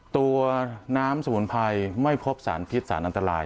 ตัวน้ำสมุนไพรไม่พบสารพิษสารอันตราย